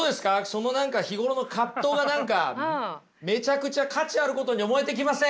その何か日頃の葛藤が何かめちゃくちゃ価値あることに思えてきません？